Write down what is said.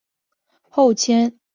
后迁任司仆丞。